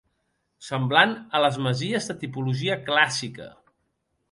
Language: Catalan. Semblant a les masies de tipologia clàssica.